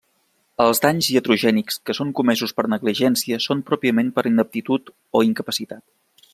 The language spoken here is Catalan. Els danys iatrogènics que són comesos per negligència són pròpiament per ineptitud o incapacitat.